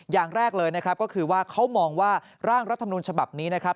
อย่างแรกเลยนะครับก็คือว่าเขามองว่าร่างรัฐมนุนฉบับนี้นะครับ